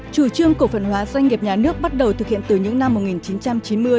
chủ trương cổ phần hóa doanh nghiệp nhà nước bắt đầu thực hiện từ những năm một nghìn chín trăm chín mươi